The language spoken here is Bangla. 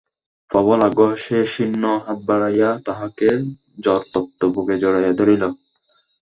প্রবল আগ্রহে সে শীর্ণ হাত বাড়াইয়া তাহাকে জ্বরতপ্ত বুকে জড়াইয়া ধরিল।